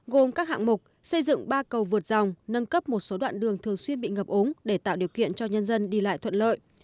gồm các hạng mục xây dựng ba cầu vượt dòng nâng cấp một số đoạn đường thường xuyên bị ngập ống để tạo điều kiện cho nhân dân đi lại thuận lợi